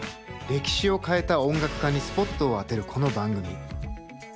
歴史を変えた音楽家にスポットを当てるこの番組。